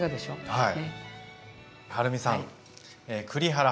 はい。